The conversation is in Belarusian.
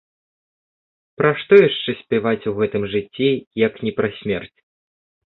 Пра што яшчэ спяваць у гэтым жыцці, як не пра смерць?